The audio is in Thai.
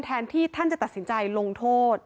แทนที่ท่านจะตัดสินใจลงโทษ